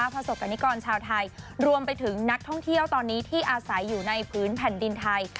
ประสบกรณิกรชาวไทยรวมไปถึงนักท่องเที่ยวตอนนี้ที่อาศัยอยู่ในพื้นแผ่นดินไทย